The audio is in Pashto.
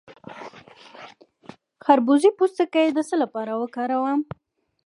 د خربوزې پوستکی د څه لپاره وکاروم؟